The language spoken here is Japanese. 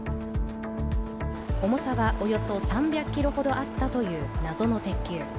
重さはおよそ３００ｋｇほどあったという謎の鉄球。